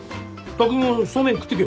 匠もそうめん食ってけ。